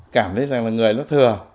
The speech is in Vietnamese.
cảm thấy rằng là người nó thừa